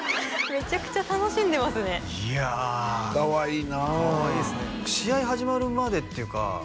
めちゃくちゃ楽しんでますねいやかわいいなかわいいっすね試合始まるまでっていうか